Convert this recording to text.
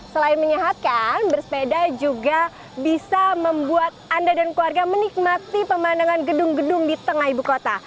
selain menyehatkan bersepeda juga bisa membuat anda dan keluarga menikmati pemandangan gedung gedung di tengah ibu kota